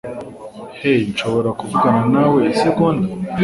Hey, nshobora kuvugana nawe isegonda?